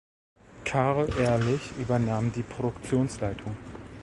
Karl Ehrlich übernahm die Produktionsleitung.